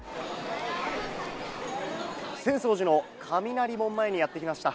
浅草寺の雷門前にやってきました。